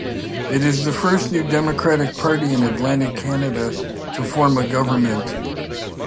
It is the first New Democratic Party in Atlantic Canada to form a government.